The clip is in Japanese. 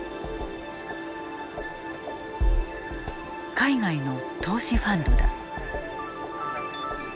海外の投資ファンドだ。